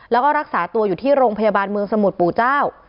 แล้วก็รักษาตัวอยู่ที่โรงพยาบาลเมืองสมุทรปู่เจ้า